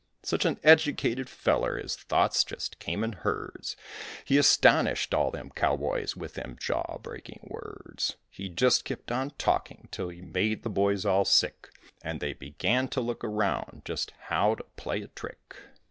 Such an educated feller his thoughts just came in herds, He astonished all them cowboys with them jaw breaking words. He just kept on talking till he made the boys all sick, And they began to look around just how to play a trick.